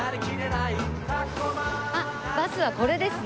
あっバスはこれですね。